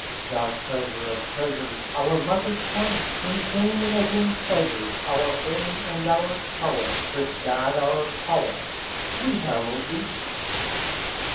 Thou treasure of treasures, Our mother tongue, In pain as in pleasures Our home and our tower, With God our power, We hallow thee!